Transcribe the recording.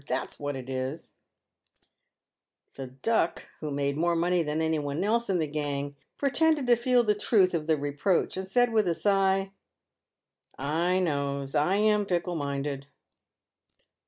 That's what it is !" The Duck, who made more money than any one else in the gang, pretended to feel the truth of the reproach, and said, with a sigh, " I knows I am fickle minded."